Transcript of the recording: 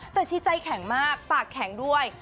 แต่ชี้ใจแข็งมากปากแข็งด้วย